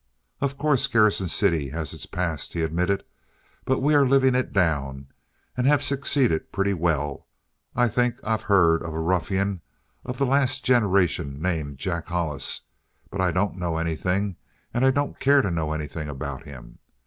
"Of course, Garrison City has its past," he admitted, "but we are living it down, and have succeeded pretty well. I think I've heard of a ruffian of the last generation named Jack Hollis; but I don't know anything, and I don't care to know anything, about him.